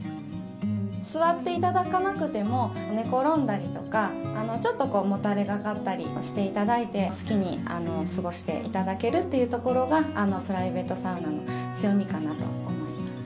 座っていただかなくても、寝転んだりとか、ちょっともたれかかったりもしていただいて、好きに過ごしていただけるっていうところが、プライベートサウナの強みかなと思っています。